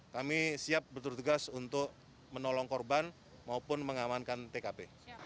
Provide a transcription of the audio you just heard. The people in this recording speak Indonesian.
kami siap bertugas untuk menolong korban maupun mengamankan tkp